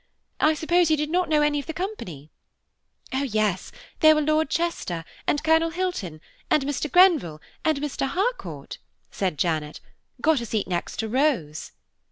I suppose you did not know any of the company?" "Oh yes, there were Lord Chester, and Colonel Hilton, and Mr. Grenville; and Mr. Harcourt," said Janet, "got a seat next to Rose."